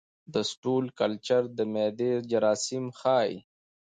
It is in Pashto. د سټول کلچر د معدې جراثیم ښيي.